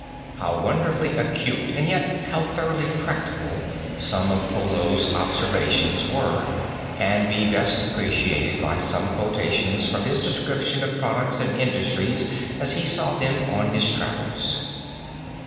How wonderfully acute and yet how thoroughly practical some of Polo's observations were can be best appreciated by some quotations from his description of products and industries as he saw them on his travels.